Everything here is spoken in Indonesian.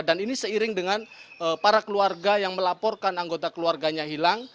dan ini seiring dengan para keluarga yang melaporkan anggota keluarganya hilang